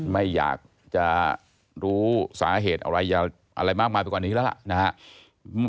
ไม่อยากจะรู้สาเหตุอะไรมากมายไปกว่านี้แล้วล่ะนะครับ